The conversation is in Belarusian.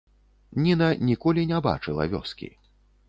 Ніна ніколі не бачыла вёскі.